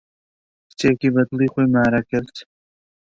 کچێکی بە دڵی خۆی مارە کرد.